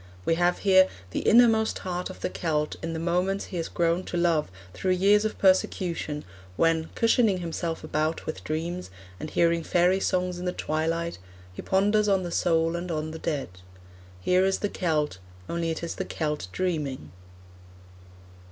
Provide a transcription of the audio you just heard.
We have here the innermost heart of the Celt in the moments he has grown to love through years of persecution, when, cushioning himself about with dreams, and hearing fairy songs in the twilight, he ponders on the soul and on the dead. Here is the Celt, only it is the Celt dreaming.